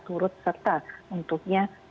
turut serta untuknya